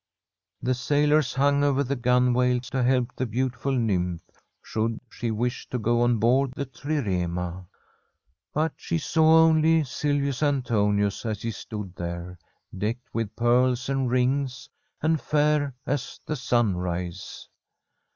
The sailors hung over the gunwales to help frtm 4 SWEDISH HOMESTEAD the beautiful nymph, should she wish to go on board the trirema. But she saw only Silvius Antonius, as he stood there, decked with pearls and rings, and fair as the sunrise.